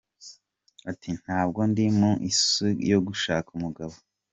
Ati “ Ntabwo ndi mu isi yo gushaka umugabo….